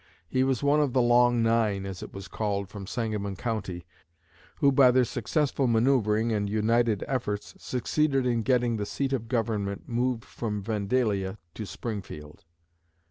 He was one of the 'Long Nine,' as it was called, from Sangamon County, who by their successful manoeuvring and united efforts succeeded in getting the seat of government moved from Vandalia to Springfield.